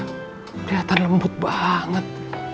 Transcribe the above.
kelihatan lembut banget